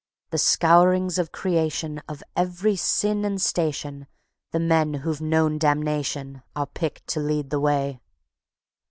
_"The scourings of creation, Of every sin and station, The men who've known damnation, Are picked to lead the way."